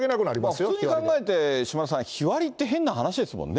普通に考えて島田さん、日割りって変な話ですもんね？